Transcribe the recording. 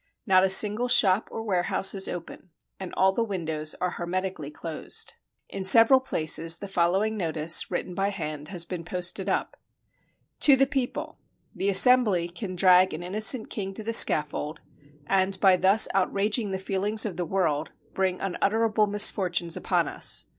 Not a single shop or warehouse is open, and all the windows are hermetically closed. In 309 FRANCE several places the following notice, written by hand, has been posted up :—" To the People, "The Assembly can drag an innocent king to the scaffold, and by thus outraging the feelings of the world, bring unutterable misfortunes upon us.